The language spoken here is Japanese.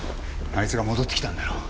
あいつが戻ってきたんだろう。